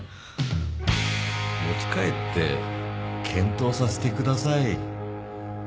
持ち帰って検討させてください。